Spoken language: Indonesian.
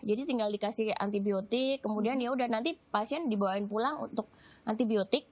jadi tinggal dikasih antibiotik kemudian yaudah nanti pasien dibawain pulang untuk antibiotik